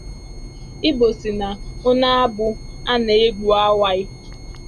Igbo sị na ọ na-abụ a na-egbu awaị